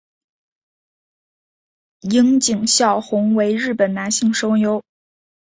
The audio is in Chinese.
樱井孝宏为日本男性声优。